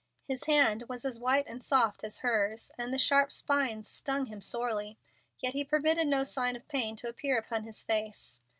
His hand was as white and soft as hers, and the sharp spines stung him sorely, yet he permitted no sign of pain to appear upon his face.